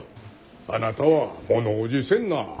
あなたは物おじせんな。